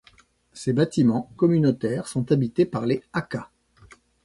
Ces bâtiments communautaires sont habités par les Hakka.